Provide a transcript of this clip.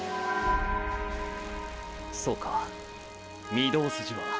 そうか御堂筋は。